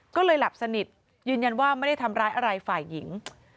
ก็เลยหลับสนิทยืนยันว่าไม่ได้ทำร้ายอะไรฝ่ายหญิง